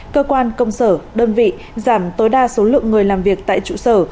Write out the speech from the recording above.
cơ quan công sở đơn vị giảm tối đa số lượng người làm việc tại trụ sở